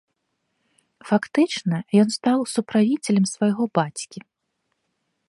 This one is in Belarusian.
Фактычна ён стаў суправіцелем свайго бацькі.